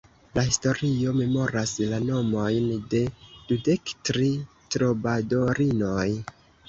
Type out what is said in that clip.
La historio memoras la nomojn de dudek tri trobadorinoj.